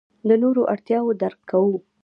د نورو اړتیاوې درک کوو.